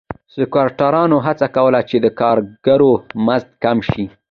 سکواټورانو هڅه کوله چې د کارګرو مزد کم شي.